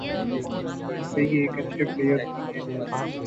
اور کئی ایک اچھے پلئیرز دیے ہیں۔